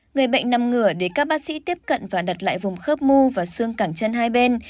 người bệnh nằm ngửa để các bác sĩ tiếp cận và đặt lại vùng khớp mưu và xương cản chân hai bên